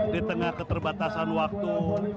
di tengah keterbatasan waktu